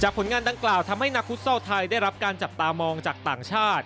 ผลงานดังกล่าวทำให้นักฟุตซอลไทยได้รับการจับตามองจากต่างชาติ